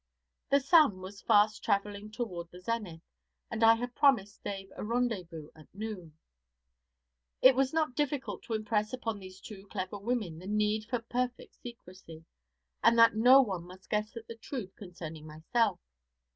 The sun was fast travelling toward the zenith, and I had promised Dave a rendezvous at noon. It was not difficult to impress upon these two clever women the need for perfect secrecy, and that no one must guess at the truth concerning myself.